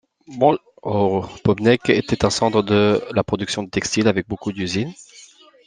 Au Pößneck était un centre de la production de textile avec beaucoup d'usines.